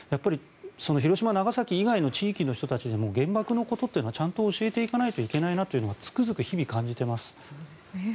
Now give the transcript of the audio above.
広島、長崎以外の地域の人たちでも原爆のことはちゃんと教えていかないといけないなとつくづく、日々感じています。